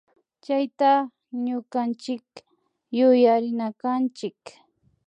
Chayta ñukanchik yuyarinakanchik